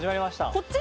こっち？